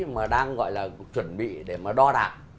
mà đang gọi là chuẩn bị để mà đo đạc